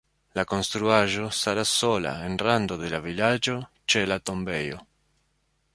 La konstruaĵo staras sola en rando de la vilaĝo ĉe la tombejo.